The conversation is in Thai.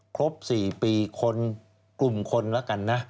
ครบ๔ปีคนกลุ่มคนแล้วกันนะ